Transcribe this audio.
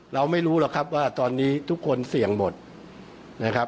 เราไม่รู้หรอกครับว่าตอนนี้ทุกคนเสี่ยงหมดนะครับ